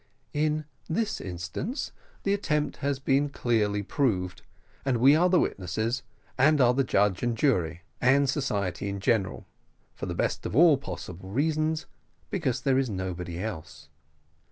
"In this instance the attempt has been clearly proved; we are the witnesses, and are the judges and jury, and society in general, for the best of all possible reasons, because there is nobody else.